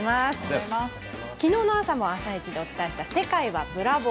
昨日の朝も「あさイチ」でお伝えした「世界はブラボー！」。